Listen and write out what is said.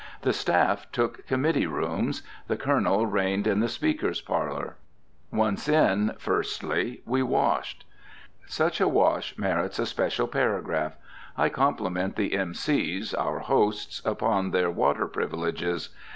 The staff took committee rooms. The Colonel reigned in the Speaker's parlor. Once in, firstly, we washed. Such a wash merits a special paragraph. I compliment the M.C.s, our hosts, upon their water privileges.